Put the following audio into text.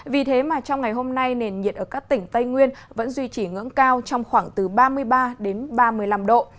vì thế mà trong ngày hôm nay nền nhiệt ở các tỉnh tây nguyên vẫn duy trì ngưỡng cao trong khoảng từ ba mươi ba đến ba mươi năm độ